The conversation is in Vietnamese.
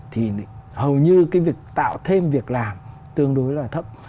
thì hầu như cái việc tạo thêm việc làm tương đối là thấp